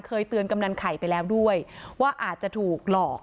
เคยเตือนกำนันไข่ไปแล้วด้วยว่าอาจจะถูกหลอก